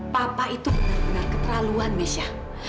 papa itu benar benar keterlaluan mesya